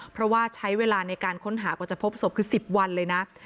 เพราะว่าใช้เวลาในการค้นหากว่าจะพบศพคือ๑๐วันเลยนะ